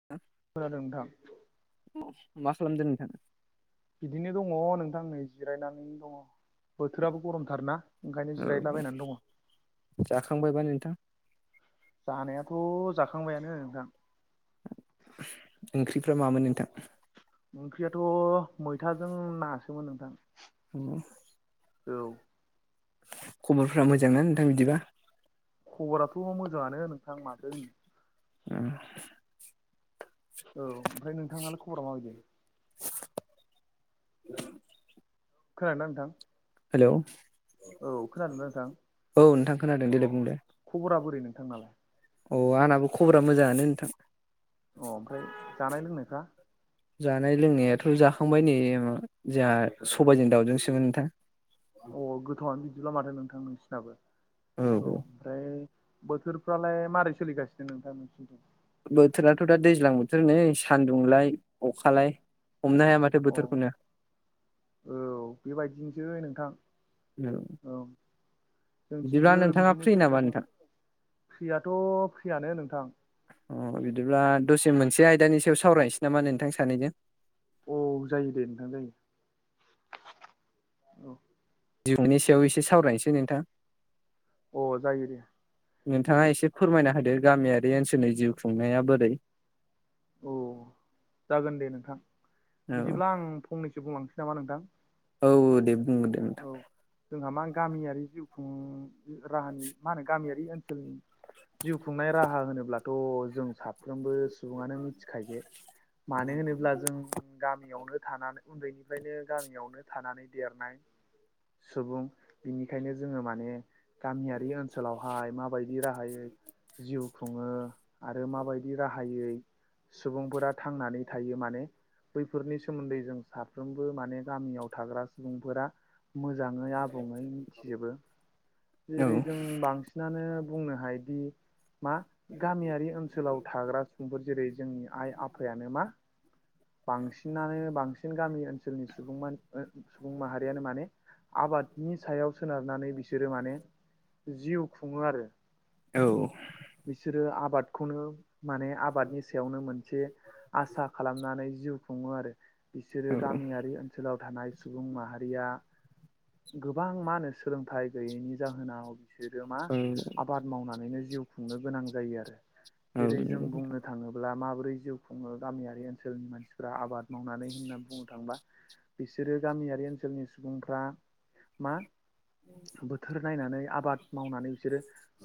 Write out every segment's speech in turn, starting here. [inaudible] खोनादों नोंथां। मा खालामदों नोंथां? बिदिनो दङ नोंथां नै जिरायनानै दङ बोथोराबो गरमथारना। ओंखायनो औ जिरायलाबायनानै दङ। दे नोंथां। जानायाथ' जाखांबायानो नोंथां। ओंख्रिफ्रा मामोन नोंथां? ओंख्रियाथ' मैथाजों नासोमोन नोंथां। उम। औ। खबरफोरा मोजांना नोंथां बिदिबा? खबराथ' मोजांङानो नोंथां माथो। उम। औ ओमफ्राय नोंथांनालाय खबरा माबायदि? खोनानो नोंथां? हेलौ औ खोनादोंना नोंथां औ नोंथां खोनादों दे लाय औ बुंलाय। खबरा बोरै नोंथां नालाय? अ आंनाबो खबरा मोजांङानो नोंथां। अ ओमफ्राय जानाय लोंनायफ्रा जानाय लोंनायाथ' जाखांबाय नै जोंहा सबायजों दाउजोंसोमोन नोंथां औ गोथावआनो बिदिब्ला माथो नोंथां नोंसिनाबो औ ओमफ्राय बोथोरफ्रालाय मारै सोलिगासिनो नोंथां मोनसि दं बोथोराथ' दा दैज्लां बोथोर नै सान्दुंलाय अखालाय हमनो हाया माथो अ बोथोरखौनो औ बेबायदिनोसै नोंथां औ बिदिब्ला जोंथिंबो नोंथाङा फ्रि बिदिनोसै नामा नोंथां फ्रियाथ' फ्रियानो नोंथां अ बिदिब्ला दसे मोनसे आयदानि सायाव सावरायनोसै नामा नोंथां सानैजों औ जायो दे नोंथां जायो जिउनि सायाव एसे सावरायनोसै नोंथां औ अ जायो दे बिदि नोंथांङा एसे फोरमायना होदो गामियारि ओनसोलनि जिउ खुंनाया बोरै अ जागोन दे नोंथां औ बिदिब्ला आं फंनैसो बुंलांनोसै नामा नोंथां औ दे बुंग्रोरदो दे औ नोंथां जोंहा मा गामियारि जिउ खुं राहानि मा होनो गामियारि ओनसोलनि जिउ खुंनाय राहा होनोब्लाथ' जों साफ्रोमबो सुबुंङानो मि मिथिखायो मानो होनोब्ला जों गामियावनो थानानै उन्दैनिफ्रायनो गामियावनो थानानै देरनाय सुबुं बिनिखायनो जोंङो माने गामियारि ओनसोलावहाय माबायदि राहायो जिउ खुंङो आरो माबायदि राहायै सुबुंफोरा थांनानै थायो माने बैफोरनि सोमोन्दै जों साफ्रोमबो माने गामियाव थाग्रा सुबुंफोरा मोजाङै आ आबुङै मिथिजोबो औ जेरै जों बांसिनानो बुंनो हायोदि मा गामियारि ओनसोलाव थाग्रा सुबुंफोर जेरै जोंनि आइ आफायानो मा बांसिनानो बांसिन गामि ओनसोलनि सुबुं सुबुं माहारियानो माने आबादनि सायाव सोनारनानै बिसोरो माने जिउ खुंङो आरो औ बिसोरो आबादखौनो माने आबादनि गोयावनो मोनसे आसा खालामनानै जिउ खुंङो आरो औ बिसोरो गामियारि ओन ओनसोलाव थानाय सुबुं माहारिया गोबां मा होनो सोलोंथाइ गैयैनि जाहोनाव बिसोरो मा औ नंगौ आबाद मावनानैनो जिउ खुंनो गोनां जायो आरो जेरै जों नोंथां बुंनो थांङोब्ला माबोरै जिउ खुङो गामियारि ओनसोलनि मानसिफ्रा आबाद मावनानै होननानै बुंनो थाङोबा बिसोरो गामियारि ओनसोलनि सुबुंफ्रा मा बोथोर नायनानै आबाद मावनानै बिसोरो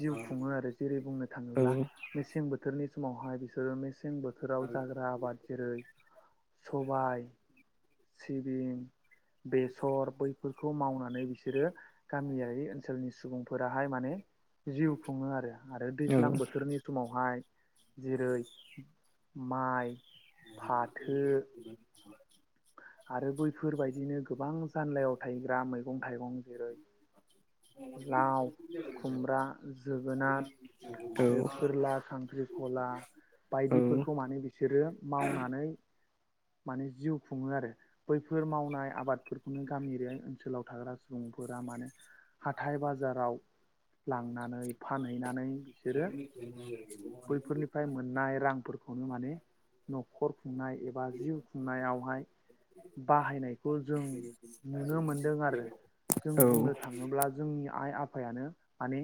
जिउ खुंङो आरो जेरै बुंनो औ थांङोब्ला औ मेसें बोथोरनि समावहाय बिसोरो मेसें बोथोराव जाग्रा आबाद जेरै सबाय सिबिं बेसर बैफोरखौ मावनानै बिसोरो गामियारि ओनसोलनि सुबुंफोराहाय माने जिउ खुंङो आरो आरो दैज्लां बोथोरनि समावहाय जेरै माइ फाथो आरो बैफोरबायदिनो गोबां जानलायाव थायग्रा मैगं थाइगं जेरै लाव खुमब्रा जोगोनार आरो फोरला खांख्रिखला बायदिफोरखौ माने बिसोरो मावनानै माने जिउ खुङो आरो बैफोर मावनाय आबादफोरखौनो गामिरि ओनसोलाव थाग्रा सुबुंफोरा माने हाथाय बाजाराव लांनानै फानहैनानै बिसोरो बैफोरनि मोननाय रां मनाय एबा खुंनायाव बहाय बाहायनायखौ जों नुनो मोनदों आरो जों बुंनो थाङोब्ला जोंनि आइ आफायानो माने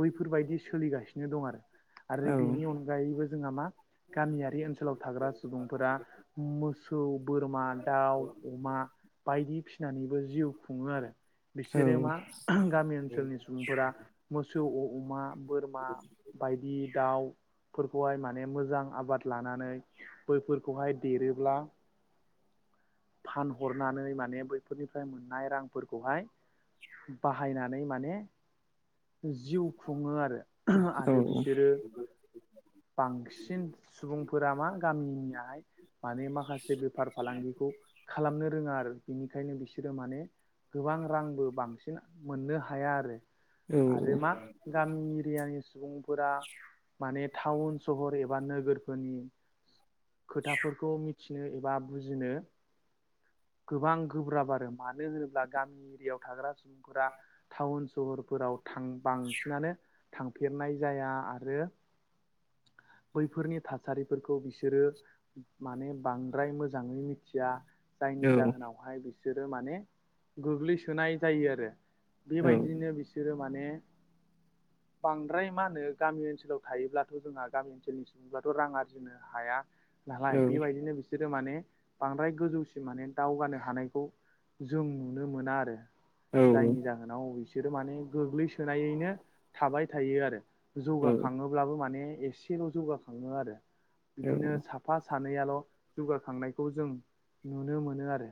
बैफोरबायदि सोलिगासिनो दं आरो। आरो औ नंगौ बेनि अन गायैबो जोंहा मा गामियारि ओनसोलाव थाग्रा सुबुंफोरा मोसौ बोरमा दाउ अमा बायदि फिसि सिनानैबो जिउ खुङो आरो बिसोरो नोंथां। मा गामि ओनसोलनि सुबुंफोरा मोसौ अमा बोरमा बायदि दाउ फोरखौहाय माने मोजां आबाद लानानै बैफोरखौहाय देरोब्ला फानहरनानै माने बैफोरनिफ्राय मोननाय रांफोरखौहाय बाहायनानै माने जिउ खुङो आरो आरो बिसोरो बांसिन सुबुंफोरा मा गामिनियाहाय माने माखासे बेफार फालांगिखौ खालामनो रोङा आरो बिनिखायनो बिसोरो माने गोबां रांबो बांसिन मोननो हाया आरो। आरो औ मा गामि एरियानि सुबुंफोरा माने टाउन स सहर एबा नोगोरफोरनि खोथाफोरखौ मिथिनो एबा बुजिनो गोबां गोब्राब आरो मानो होनोब्ला गामि एरियायाव थाग्रा सुबुंफोरा टाउन सहरफोराव थां बांसिनानो थां फेरनाय जाया आरो बैफोरनि थासारिफोरखौ बिसोरो माने बांद्राय मोजाङै मिथि थिया जायनि जाहोनावहाय बिसोरो माने गोग्लैसोनाय जायो आरो। बेबायदिनो बिसोरो माने बांद्राय मा होनो गामि ओनसोलाव थायोब्ला थ' जोंहा गामि ओनसोलनि सुबुंफोराथ' रां आरजिनो हाया नालाय बेबायदिनो बिसोर बिसोरो माने बांद्राय गोजौसिम माने दावगानो हानायखौ जों नुनो मोना आरो। जायनि जाहोनाव बिसोरो माने गोग्लैसोनायैनो थाबाय थायो आरो। जौगाखाङोब्लाबो माने एसेल' जौगाखाङो आरो बिदिनो सा साफा सानैयाल' जौगाखांनायखौ जों नुनो मोनो आरो।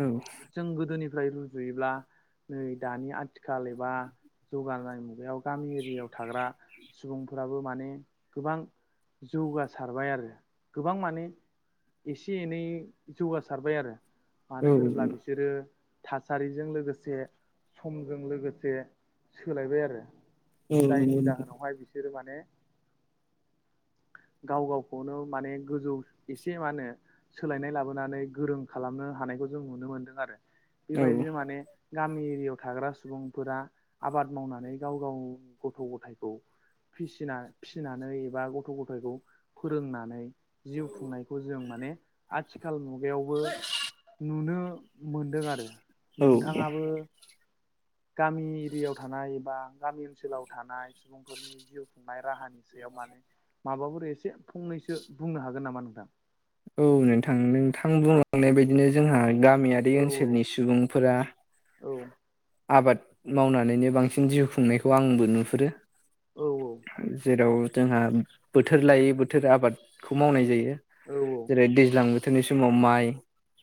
ओं। जों गोदोनिफ्राय रुजुयोब्ला नै दानि आथिखाल एबा जौगानाय मुगायाव गामि एरियाआव थाग्रा सुबुंफोराबो माने गोबां जौगासारबाय आरो गोबां माने एसे एनै जौगासारबाय आरो मानो होनोब्ला बिसो सोरो थासारिजों लोगोसे समजों लोगोसे सोलायबाय आरो जायनि जाहोनावहाय बिसोरो माने गाव गावखौनो माने गोजौ एसे मा होनो सोलायनाय लाबोनानै गोरों खालामनो हानायखौ जों नुनो मोन्दों आरो बेबायदिनो माने गामि एरियाआव थाग्रा सुबुंफोरा आबाद मावनानै गाव गाव गथ' गथायखौ फिसिना फिसिनानै एबा गथ' गथायखौ फोरोंनानै जिउ खुंनायखौ जों माने आथिखाल मुगायावबो नुनो मोनदों आरो औ नोंथाङाबो गामि एरियाआव थानाय एबा गामि ओनसोलाव थानाय सुबुंफोरनि जिउ खुंनाय राहानि सायाव मानो माबाफोर एसे फंनैसो बुंनो हागोन नामा नोंथां? औ नोंथां नोंथां बुंलांनाय बायदिनो जोंहा गामियारि बे ओनसोलनि सुबुंफोरा आबाद मावनानैनो बांसिन जिउ खुंनायखौ आंबो नुहुरो। औ औ जेराव जोंहा बोथोर लायै बोथोर आबादखौ मावनाय जायो। औ ब जेरै दैज्लां बोथोरनि समाव माइ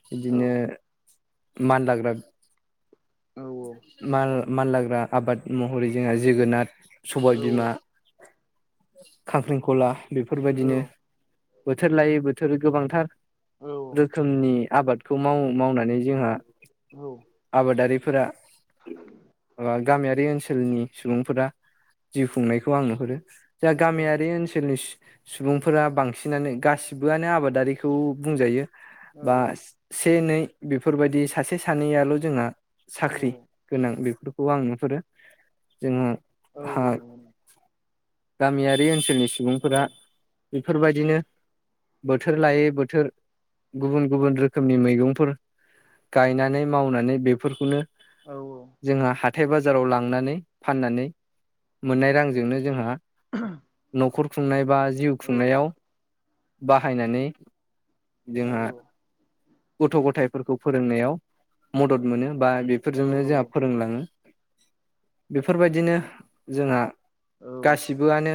बिदिनो मानलाग्रा माल मानलाग्रा आबाद महरै जोंहा जोगोनार सबाय बिमा, खांख्रिंखला बेफोरबायदिनो बोथोर लायै बोथोर गोबांथार रोखोमनि आबाद खौ माव मावनानै जोंहा औ आबादारिफोरा ओ गामियारि ओनसोलनि सुबुंफोरा जिउ खुंनायखौ आं नुहुरो जा गामियारि ओनसोलनि सु सुबुंफोरा बांसिनानो गासि आनो आबादारिखौ बुंजायो बा से नै बेफोरबायदि सासे सासे सानैयाल' जोंहा साख्रि गोनां बेफोरखौ आं नुहुरो जोङो हा गामियारि ओनसोलनि सुबुंफोरा बेफोरबायदिनो बोथोर लायै बोथोर गुबुन गुबुन रोखोमनि मैगंफोर, गायनानै मावनानै बेफोरखौनो जोंहा हा थाय बाजाराव लांनानै फाननानै मोननाय रांजोंनो जोंहा [inaudible] न'खर खुंनाय बा जिउ खुंनायाव बाहायनानै जोंहा गथ' गथायफोरखौ फोरोंनायाव मदद मोनो बा बेफोरजोंनो जाहा फोरोंलाङो बेफोरबायदिनो जोंहा गासि बोआनो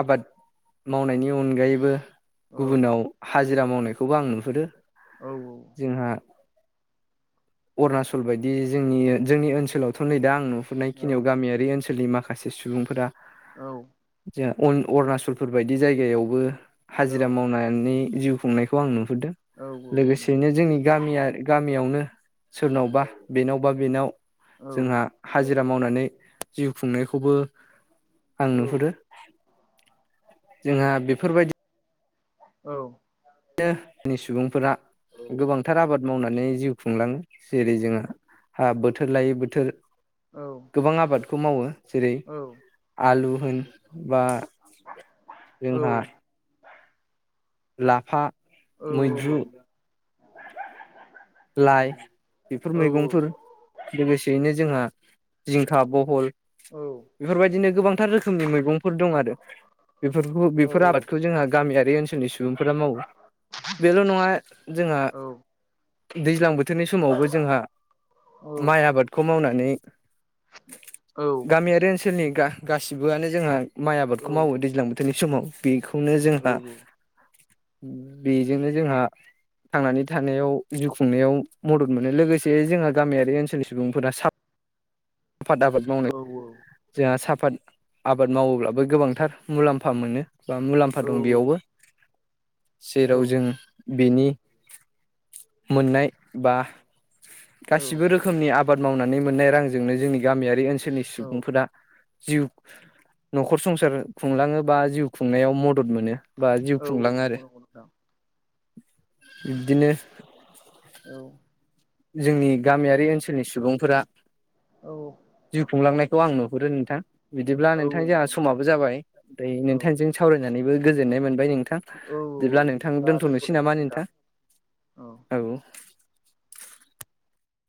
आबाद मावनायनि अनगायैबो गुबुनाव हाजिरा मावनायखौबो आं नुहुरो। औ औ जोंहा अरुणाचल बायदि जोंनि जोंनि ओनसोलावथ' नै दा आं नु हुरनाय खिनियाव गामियारि ओनसोलनि माखासे सुबुंफोरा औ जोंहा उन अरुणचलफोर बायदि जायगायावबो हाजिरा मावनानै जिउ खुंनाय खौ आं नुहुरदों, लोगोसेयैनो जोंनि गामिया गामियावनो सोरनावबा बेनावबा बेनाव बिदिब्ला दोनथ'लायनोसै जोंहा हाजि रा मावनानै जिउ खुंनायखौबो आं नुहुरो। जोंहा बेफोरबायदि औ बिदिनो जोंनि सुबुंफोरा गोबांथार आबाद मावनानै जिउ खुंलाङो। जेरै जोंहा हा बोथोर लायै बोथोर गोबां आबादखौ मावो जेरै आलु होन बा जोंहा लाफा मैद्रु लाइ बेफोर मैगंफोर लोगोसेयैनो जोंहा जिंखा बहल औ बेफोरबायदिनो गोबांथार रोखोमनि मैगंफोर दं आरो बेफोरखौ बेफोर आबादखौ नोंथां जोंहा गामियारि ओनसोलनि सुबुंफोरा मावो बेल' नङा जोंहा दैज्लां बोथोरनि समावबो जोंहा माइ आबादखौ मावनानै औ गामियारि ओनसोलनि गा-गासिबोआनो जोंहा माइ आबादखौ मावो दैज्लां बोथोरनि समाव बेखौनो जोंहा बेजोंनो जोंहा थांनानै थानायाव जिउ खुंनायाव मदद मोनो लोगोसे जोंहा गामियारि ओनसोलनि सुबुंफोरा साफ फादा औ औ जोंहा साफात आबाद मावोब्लाबो गोबांथार मुलाम्फा मोनो बा मुलाम्फा दं बेयावबो। जेराव जों बेनि मोननाय बा गासिबो रोखोमनि आबाद मावनानै मोननाय रांजोंनो जोंनि गामियारि ओनसोलनि सुबुंफोरा जिउ न'खर संसार खुंलाङो बा जिउ खुंनायाव मदद मोनो। बा जिउ खुंलाङो आरो बिदिनो औ जोंनि गामियारि ओनसोलनि सुबुंफोरा औ जिउ खुंलांनायखौ आं नुहुरो नोंथां बिदिब्ला नोंथां जोंहा समाबो जाबाय मफ्राय नोंथांजों सावरायनानैबो गोजोननाय मोनबाय नोंथां। बिदिब्ला नोंथां दोन्थ'नोसै नामा नोंथा औ